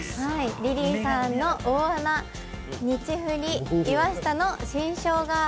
リリーさんの大穴、ニチフリ岩下の新生姜味